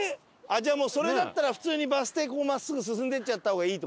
じゃあそれだったら普通にバス停ここ真っすぐ進んでいっちゃった方がいい？